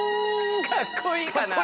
かっこいいかなあ。